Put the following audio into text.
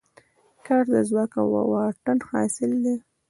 کار د ځواک او واټن حاصل دی.